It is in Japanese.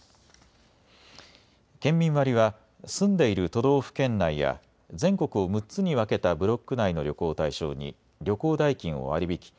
県民割は住んでいる都道府県内や全国を６つに分けたブロック内の旅行を対象に旅行代金を割り引き